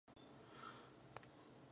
هغه د زده کوونکو په فعاليت خوښ شو.